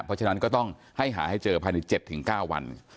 เพราะฉะนั้นก็ต้องให้หาให้เจอภายใน๗๙วัน